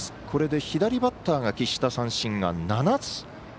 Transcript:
これで左バッターが喫した三振が７つ。